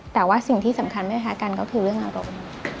แต่ว่าสิ่งที่สำคัญไม่แพ้กันก็คือเรื่องอารมณ์